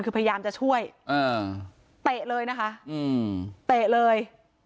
คือพยายามจะช่วยอ่าเตะเลยนะคะอืมเตะเลย